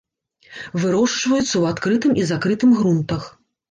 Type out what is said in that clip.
Вырошчваюцца ў адкрытым і закрытым грунтах.